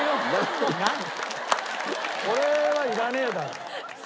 これはいらねえだろ。